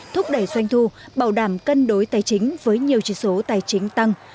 thúc đẩy doanh thu bảo đảm cân đối tài chính với nhiều chỉ số tài chính tăng